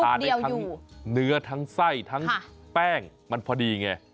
ได้ทั้งเนื้อทั้งไส้ทั้งแป้งมันพอดีไง